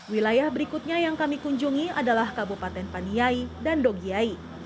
wilayah berikutnya yang kami kunjungi adalah kabupaten paniyai dan dogiai